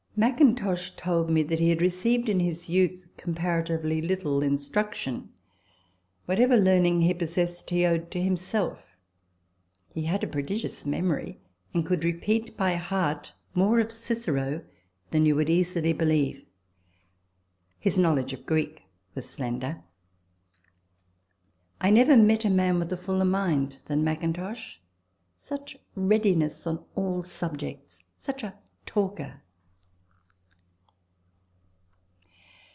Mackintosh told me that he had received in his youth comparatively little instruction whatever learning he possessed he owed to himself. He had a prodigious memory, and could repeat by heart more of Cicero than you would easily believe. His know ledge of Greek was slender. I never met a man with a fuller mind than Mackintosh such readiness on all subjects, such a talker